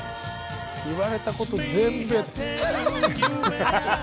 言われたこと全部やって。